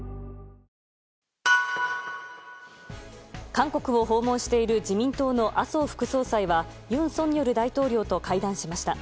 韓国を訪問している自民党の麻生副総裁は尹錫悦大統領と会談しました。